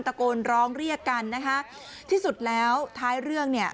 ตะโกนร้องเรียกกันนะคะที่สุดแล้วท้ายเรื่องเนี่ย